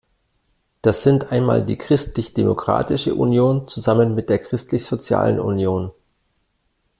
Das sind einmal die Christlich Demokratische Union zusammen mit der Christlich sozialen Union.